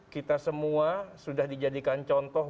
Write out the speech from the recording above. kita semua sudah dijadikan contoh